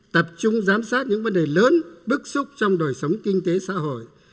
tập trung giám sát những vấn đề lớn bức xúc trong đời sống kinh tế xã hội